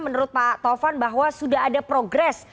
menurut pak taufan bahwa sudah ada progres